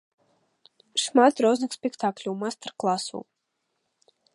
Шмат розных спектакляў, майстар-класаў!